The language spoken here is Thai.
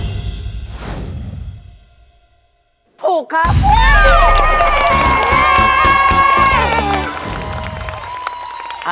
ถูกครับ